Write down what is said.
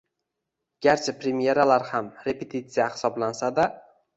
Garchi premyeralar ham repetitsiya hisoblansa-da